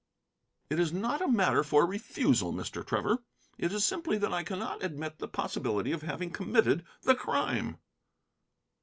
"It is not a matter for refusal, Mr. Trevor. It is simply that I cannot admit the possibility of having committed the crime."